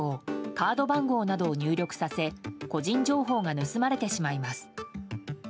カード番号などを入力させ個人情報が盗まれてしまいます。